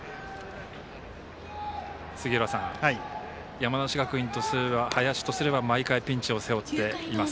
山梨学院とすれば、林とすれば毎回ピンチを背負っています。